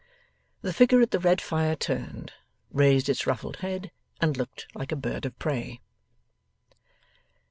The figure at the red fire turned, raised its ruffled head, and looked like a bird of prey.